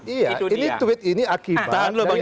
iya ini tweet ini akibat